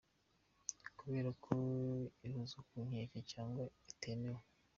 Kubera ko ihozwa ku nkeke cyangwa itemewe ?